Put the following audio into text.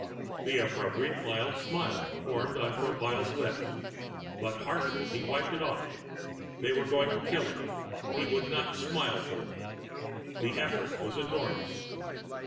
The appropriate mild smile formed on Tropile's lips, but harshly he wiped it off. They were going to kill him. He would not smile for them! And the effort was enormous.